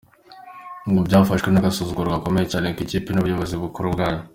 Ibi byafashwe nk’agasuzuguro gakomeye cyane ku ikipe n’ubuyobozi bukuru bwayo.